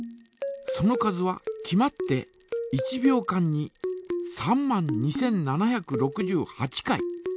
その数は決まって１秒間に３万２，７６８回。